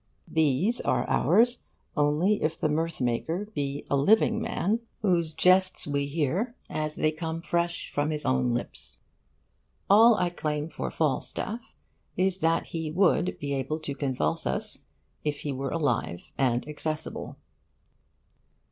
These are ours only if the mirthmaker be a living man whose jests we hear as they come fresh from his own lips. All I claim for Falstaff is that he would be able to convulse us if he were alive and accessible.